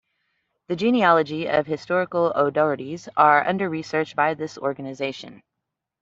The genealogy of historical O'Doherty's are under research by this organisation.